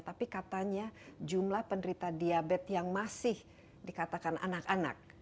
tapi katanya jumlah penderita diabetes yang masih dikatakan anak anak